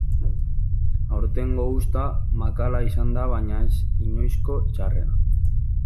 Aurtengo uzta makala izan da baina ez inoizko txarrena.